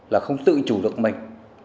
là không tự chủ lực mình